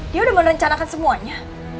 dia udah merencanakan semuanya